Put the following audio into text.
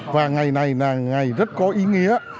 và ngày này là ngày rất có ý nghĩa